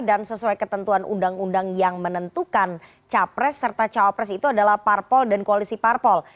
dan sesuai ketentuan undang undang yang menentukan capres serta capres itu adalah parpol dan koalisi parpol